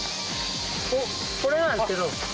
これなんですけど。